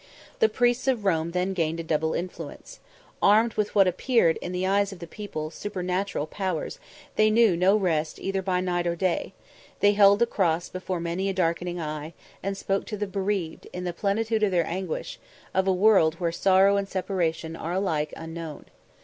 The priests of Rome then gained a double influence. Armed with what appeared in the eyes of the people supernatural powers, they knew no rest either by night or day; they held the cross before many a darkening eye, and spoke to the bereaved, in the plenitude of their anguish, of a world where sorrow and separation are alike unknown.